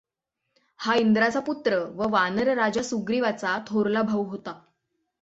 हा इंद्राचा पुत्र व वानरराज सुग्रीवाचा थोरला भाऊ होता.